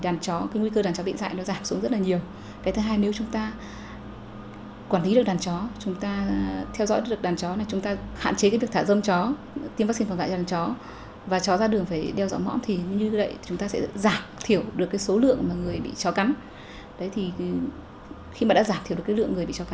đấy thì khi mà đã giảm thiểu được cái lượng người bị chó cắn đó rồi